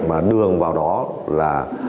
mà đường vào đó là